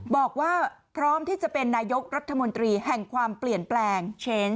บอกว่าพร้อมที่จะเป็นนายกรัฐมนตรีแห่งความเปลี่ยนแปลงเช้น